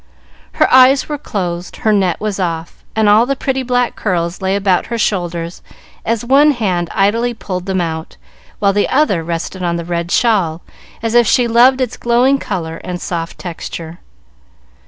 Her eyes were closed, her net was off, and all the pretty black curls lay about her shoulders as one hand idly pulled them out, while the other rested on the red shawl, as if she loved its glowing color and soft texture.